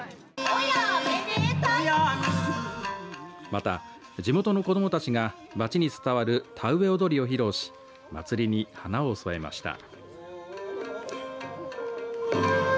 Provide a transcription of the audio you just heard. また地元の子どもたちが町に伝わる田植え踊りを披露し祭りに華を添えました。